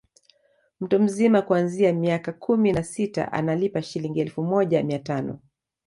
Mtu mzima kuanzia miaka kumi na sita analipa Shilingi elfu moja mia tano